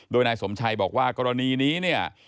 โดยนายสมชัยบอกว่ากรณีนี้เนี่ย